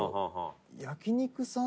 焼肉さん